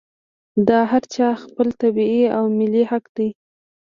دا د هر چا خپل طبعي او ملي حق دی.